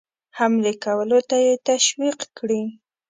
حملې کولو ته یې تشویق کړي.